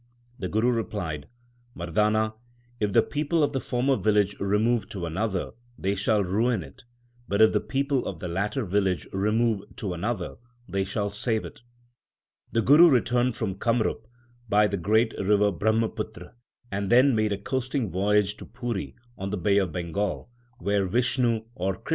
The Guru replied, Mardana, if the people of the former village remove to another, they shall ruin it ; but if the people of the latter village remove to another, they shall save it. The Guru returned from Kamrup by the great river Brahmaputra, and then made a coasting voyage to Puri on the Bay of Bengal, where Vishnu or 1 That is, the condition of the body is as changeable as the seasons.